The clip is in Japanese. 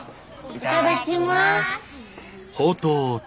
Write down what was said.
いただきます！